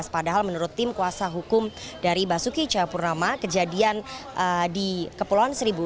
padahal menurut tim kuasa hukum dari basuki cahayapurnama kejadian di kepulauan seribu